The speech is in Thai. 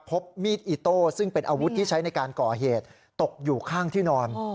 พบมีดอิโต้ซึ่งเป็นอาวุธที่ใช้ในการก่อเหตุตกอยู่ข้างที่นอน